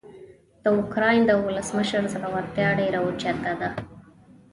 د اوکراین د ولسمشر زړورتیا ډیره اوچته ده.